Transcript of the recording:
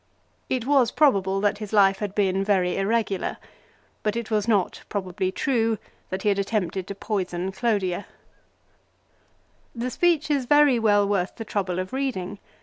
It was probable that HIS RETURN FROM EXILE. 37 his life had been very irregular ; but it was not probably true that he had attempted to poison Clodia. The speech is very well worth the trouble of reading.